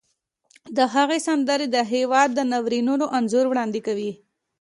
د هغې سندرې د هېواد د ناورینونو انځور وړاندې کوي